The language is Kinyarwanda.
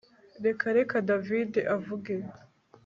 Reka reka David avuge